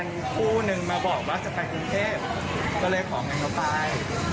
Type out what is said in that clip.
มีคู่นึงมาบอกว่าจะไปกรุงเทพก็เลยขอเงินเขาไป